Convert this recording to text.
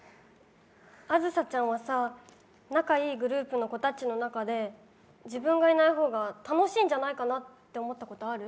梓ちゃんはさ、仲いいグループの子たちの中で自分がいない方が楽しいんじゃないかなって思ったことある？